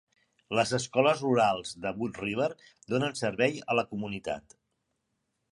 Les escoles rurals de Wood River donen servei a la comunitat.